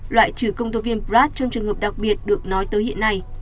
loại trừ công tố viên prad trong trường hợp đặc biệt được nói tới hiện nay